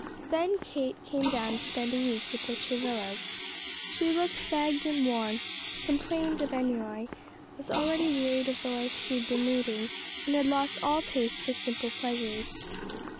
Then Kate came down to spend a week with the Travillas. She looked fagged and worn, complained of ennui, was already wearied of the life she had been leading, and had lost all taste for simple pleasures.